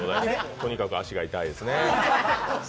とにかく足が痛いですね。